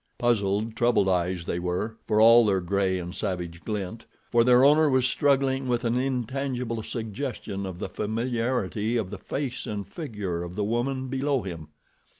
Puzzled, troubled eyes they were, for all their gray and savage glint, for their owner was struggling with an intangible suggestion of the familiarity of the face and figure of the woman below him.